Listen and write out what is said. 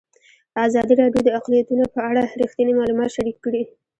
ازادي راډیو د اقلیتونه په اړه رښتیني معلومات شریک کړي.